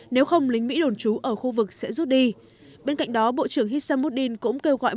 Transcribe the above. nếu không lính mỹ đồn trú ở khu vực sẽ rút đi bên cạnh đó bộ trưởng hisamudin cũng kêu gọi